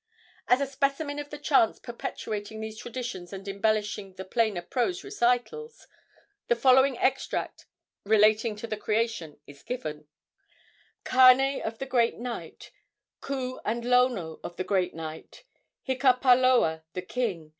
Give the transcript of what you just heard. As a specimen of the chants perpetuating these traditions and embellishing the plainer prose recitals, the following extract relating to the creation is given: "Kane of the great Night, Ku and Lono of the great Night, Hika po loa the king.